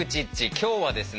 今日はですね